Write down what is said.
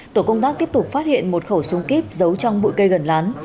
tổ công tác tiếp tục phát hiện một khẩu súng kíp giấu trong bụi cây gần lán